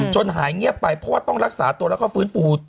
จนหายเงียบไปต้องรักษาตัวแล้วก็ฟื้นฟูฒู